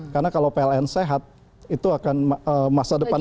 karena kalau pln sehat itu akan masa depan